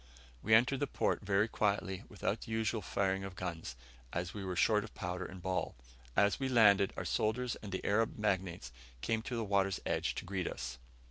We entered the port very quietly, without the usual firing of guns, as we were short of powder and ball. As we landed, our soldiers and the Arab magnates came to the water's edge to greet us.